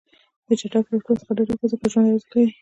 د چټک رفتار څخه ډډه وکړئ، ځکه ژوند ارزښت لري.